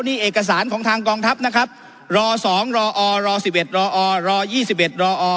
นี่เอกสารของทางกองทัพนะครับรอสองรออรอสิบเอ็ดรออรอยี่สิบเอ็ดรออ